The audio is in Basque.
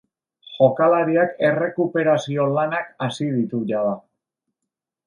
Jokalariak errekuperazio lanak hasi ditu jada.